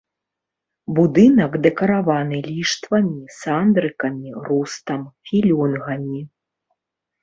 Будынак дэкараваны ліштвамі, сандрыкамі, рустам, філёнгамі.